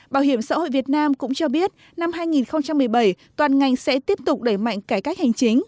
bảo hiểm xã hội việt nam cũng cho biết năm hai nghìn một mươi bảy toàn ngành sẽ tiếp tục đẩy mạnh cải cách hành chính